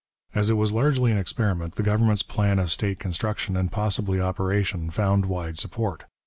As it was largely an experiment, the government's plan of state construction and possibly operation found wide support.